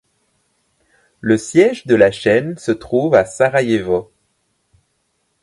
Le siège de la chaîne se trouve à Sarajevo.